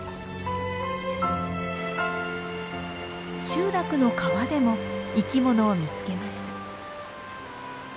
集落の川でも生きものを見つけました。